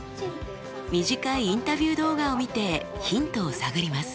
短いインタビュー動画を見てヒントを探ります。